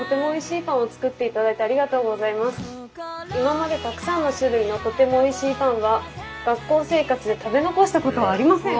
いままでたくさんの種類のとてもおいしいパンは学校生活で食べ残したことはありません」。